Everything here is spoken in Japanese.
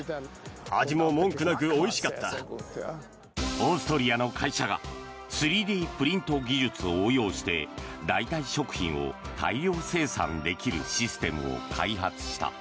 オーストリアの会社が３Ｄプリント技術を応用して代替食品を大量生産できるシステムを開発した。